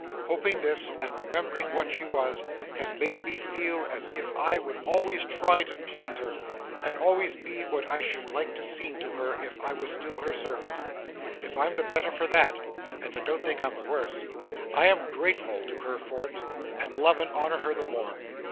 Hoping this, and remembering what she was, has made me feel as if I would always try to please her, and always be what I should like to seem to her if I was still her servant. If I'm the better for that and I don't think I'm the worse I am grateful to her for it, and love and honour her the more.